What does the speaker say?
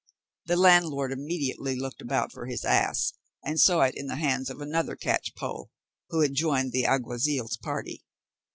The landlord immediately looked about for his ass, and saw it in the hands of another catchpoll, who had joined the alguazil's party.